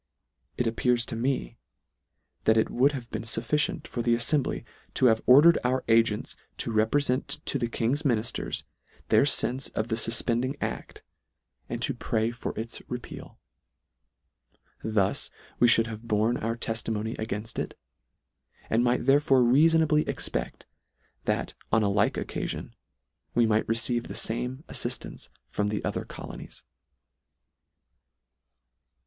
It appears to me, that it would have been fufficient for the affembly, to have ordered our agents to reprefent to the King's mini fters, their fenfe of the fufpending act, and B 2 12 LETTER I . to pray for its repeal. Thus we mould have borne our teftimony againft it; and might therefore reafonably expect that on a like occafion, we might receive the fame affift ance from the other colonies.